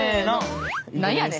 何やねん。